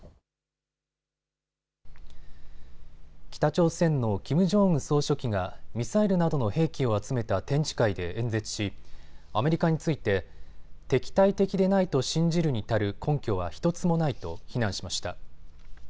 北朝鮮のキム・ジョンウン総書記がミサイルなどの兵器を集めた展示会で演説しアメリカについて敵対的でないと信じるに足る根拠は１つもないと非難しました。